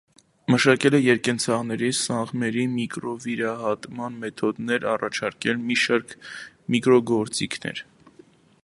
Մշակել է երկկենցաղների սաղմերի միկրովիրահատման մեթոդներ, առաջարկել մի շարք միկրոգործիքներ։